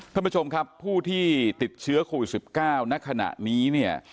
ท่านผู้ชมครับผู้ที่ติดเชื้อโควิด๑๙ณขณะนี้เนี่ย